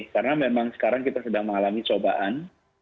karena memang sekarang kita sedang mengalami cobaan